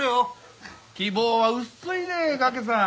希望は薄いでガケさん。